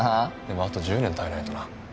でもあと１０年耐えないとな。